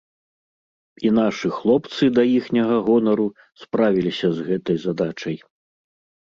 І нашы хлопцы да іхняга гонару справіліся з гэтай задачай.